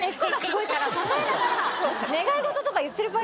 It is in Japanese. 支えながら。